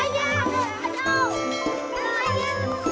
aduh hmm rupanya bayi burung elang ya